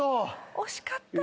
惜しかった。